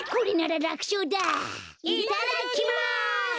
いただきます。